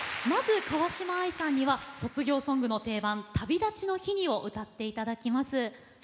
まず、川嶋あいさんに卒業ソングの定番「旅立ちの日に」を歌っていただきます。